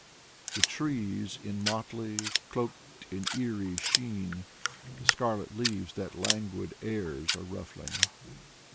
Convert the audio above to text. ... The trees in motley, cloaked in eerie sheen, The scarlet leaves that languid airs are ruffling.